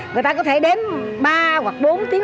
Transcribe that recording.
người ta có thể đếm ba hoặc bốn tiếng